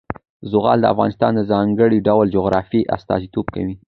زغال د افغانستان د ځانګړي ډول جغرافیه استازیتوب کوي.